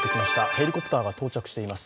ヘリコプターが到着しています。